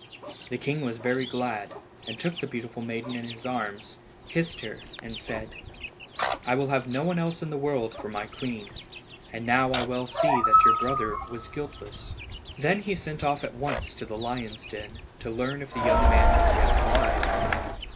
The king was very glad, and took the beautiful maiden in his arms, kissed her, and said "I will have no one else in the world for my queen, and now I well see that your brother was guiltless." Then he sent off at once to the lions' den to learn if the young man was yet alive.